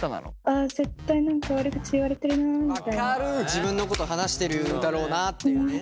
自分のこと話してるだろうなっていうね。